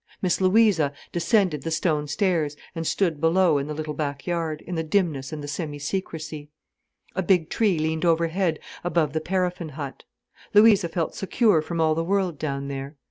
Miss Louisa descended the stone stairs, and stood below in the little backyard, in the dimness and the semi secrecy. A big tree leaned overhead, above the paraffin hut. Louisa felt secure from all the world down there.